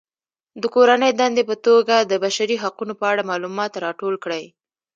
د کورنۍ دندې په توګه د بشري حقونو په اړه معلومات راټول کړئ.